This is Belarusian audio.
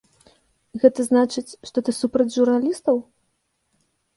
Гэта значыць, што ты супраць журналістаў?